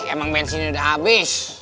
emang bensinnya udah habis